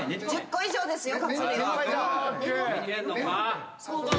１０個以上ですよ。